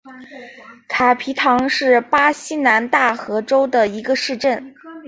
卡皮唐是巴西南大河州的一个市镇。